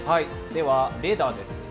では、レーダーです。